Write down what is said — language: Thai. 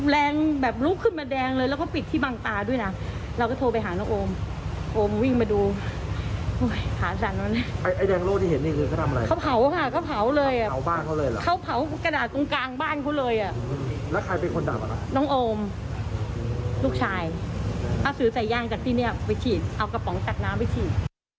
น้องโอมลูกชายถ้าซื้อใส่แย่งจากที่นี่ไปฉีดเอากระป๋องจากน้ำไปฉีด